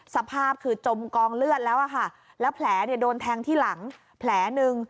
สภาพคือจมกองเลือดแล้วอะค่ะแล้วแผลเนี่ยโดนแทงที่หลังแผลหนึ่ง